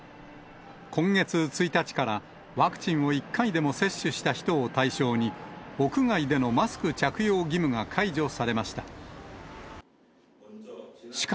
今月１日からワクチンを１回でも接種した人を対象に、屋外でのマスク着用義務が解除されました。